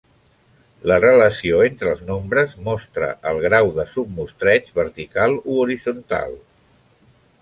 La relació entre els nombres mostra el grau de submostreig vertical o horitzontal.